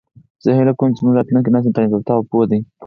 زه هیله کوم چې زموږ راتلونکی نسل تعلیم یافته او پوه وي